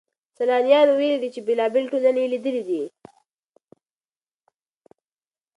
سيلانيانو ويلي دي چي بېلابېلې ټولني يې ليدلې دي.